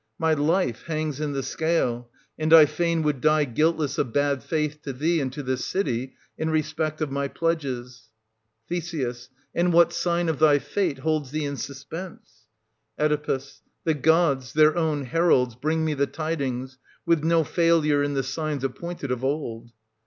My life hangs in the scale : and I fain would die guiltless of bad faith to thee and to this city, in respect of my pledges. 1510 Th. And what sign of thy fate holds thee in suspense } Oe. The gods, their own heralds, bring me the tidings, with no failure in the signs appointed of old.